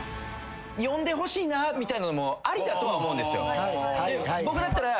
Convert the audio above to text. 呼んでほしいなみたいなのもありだとは思うんですよ。